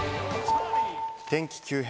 天気急変。